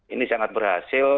ini sangat berhasil